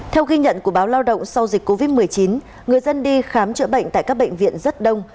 theo ghi nhận của báo lao động sau dịch covid một mươi chín người dân đi khám chữa bệnh tại các bệnh viện rất đông